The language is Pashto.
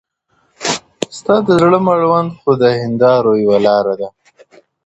ســتـــا د زړه مـــړونــــد خو د هــينــدارو يــــــوه لاره ده.